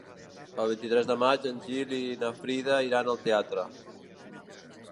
El vint-i-tres de maig en Gil i na Frida iran al teatre.